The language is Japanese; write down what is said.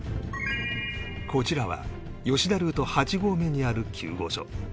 こちらは吉田ルート８合目にある救護所